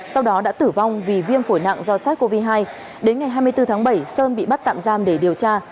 sau đó đã tử vong vì viêm phổi nặng do sars cov hai đến ngày hai mươi bốn tháng bảy sơn bị bắt tạm giam để điều tra